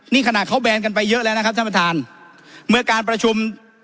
นี่ขนาดเขาแบนกันไปเยอะแล้วนะครับท่านประธานเมื่อการประชุม